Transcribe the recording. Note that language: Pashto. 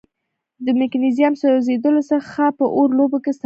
د مګنیزیم سوځیدلو څخه په اور لوبو کې استفاده کیږي.